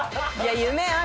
夢ある。